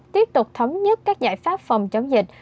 tiếp tục thống nhất các giải pháp phòng chống dịch